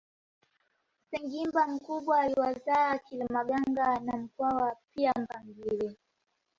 Sengimba mkubwa aliwazaa Kilemaganga na Mkwawa pia Mpangile